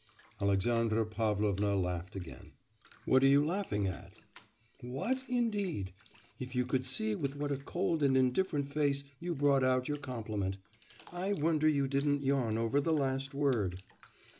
Alexandra Pavlovna laughed again. 'What are you laughing at?' 'What, indeed! If you could see with what a cold and indifferent face you brought out your compliment! I wonder you didn't yawn over the last word!